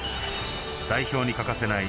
代表に欠かせない